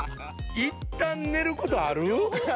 いったん寝る事ある？